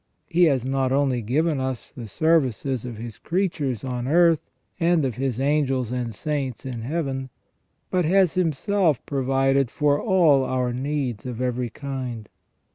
He has not only given us the services of His creatures on earth and of His angels and saints in Heaven, but has Himself provided for all our needs of every kind.